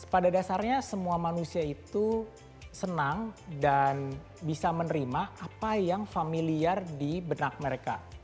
pada dasarnya semua manusia itu senang dan bisa menerima apa yang familiar di benak mereka